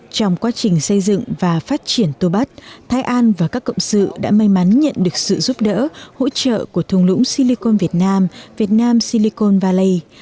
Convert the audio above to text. trong quá trình xây dựng và phát triển tô bắt thái an và các cộng sự đã may mắn nhận được sự giúp đỡ hỗ trợ của thùng lũng silicon việt nam việt nam silicon valley